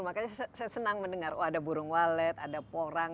makanya saya senang mendengar oh ada burung walet ada porang